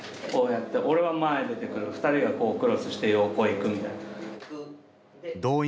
こうやって俺は前出てくる２人がこうクロスして横行くみたいな。